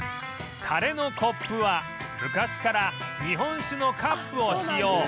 タレのコップは昔から日本酒のカップを使用